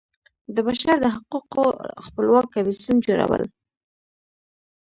د بشر د حقوقو خپلواک کمیسیون جوړول.